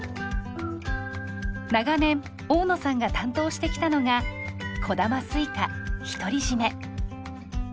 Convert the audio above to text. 長年大野さんが担当してきたのが小玉スイカひとりじめ。